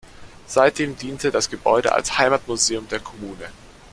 Seitdem dient das Gebäude als Heimatmuseum der Kommune.